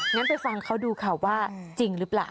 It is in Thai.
งั้นไปฟังเขาดูค่ะว่าจริงหรือเปล่า